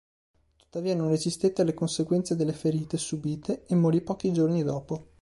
Tuttavia non resistette alle conseguenze delle ferite subite e morì pochi giorni dopo.